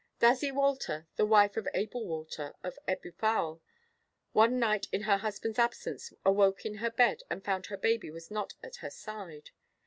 Dazzy Walter, the wife of Abel Walter, of Ebwy Fawr, one night in her husband's absence awoke in her bed and found her baby was not at her side.